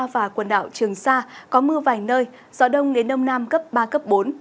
và quần đảo trường sa có mưa vài nơi gió đông đến đông nam cấp ba cấp bốn